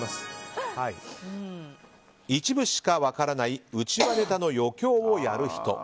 一部しか分からない内輪ネタの余興をやる人。